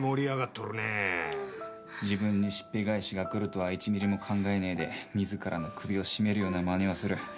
自分にしっぺ返しが来るとは１ミリも考えねえで自らの首を絞めるようなまねをする。